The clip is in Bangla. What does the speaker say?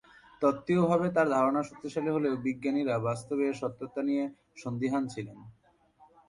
তত্ত্বীয় ভাবে তার ধারণা শক্তিশালী হলেও বিজ্ঞানীরা বাস্তবে এর সত্যতা নিয়ে সন্দিহান ছিলেন।